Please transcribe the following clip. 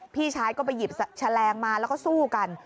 พี่ชายก็ไปหยิบแฉลงมาแล้วก็สู้กัน